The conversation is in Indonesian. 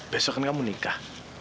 besok kan kamu nikah